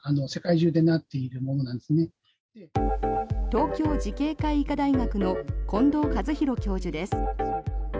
東京慈恵会医科大学の近藤一博教授です。